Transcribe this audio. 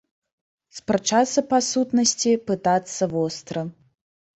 Спрачацца па сутнасці, пытацца востра.